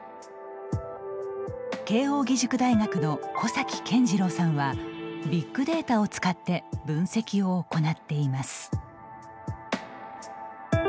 慶應義塾大学の小崎健次郎さんはビッグデータを使って分析を行っています。